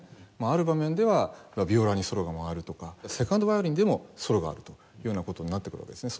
ある場面ではヴィオラにソロが回るとかセカンドヴァイオリンでもソロがあるというような事になってくるわけですね。